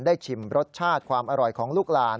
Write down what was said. ชิมรสชาติความอร่อยของลูกหลาน